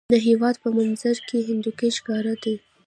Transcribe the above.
د هېواد په منظره کې هندوکش ښکاره دی.